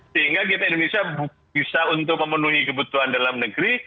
sehingga indonesia bisa memenuhi kebutuhan dalam negeri